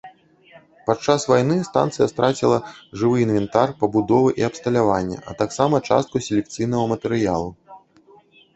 Падчас вайны станцыя страціла жывы інвентар, пабудовы і абсталяванне, а таксама частку селекцыйнага матэрыялу.